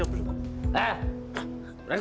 paling gak ada perang